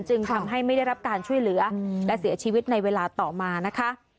จึงทำให้ไม่ได้รับการช่วยเหลือและเสียชีวิตในเวลาต่อมานะคะ